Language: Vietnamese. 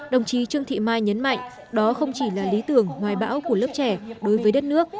đồng chí trương thị mai nhấn mạnh đó không chỉ là lý tưởng hoài bão của lớp trẻ đối với đất nước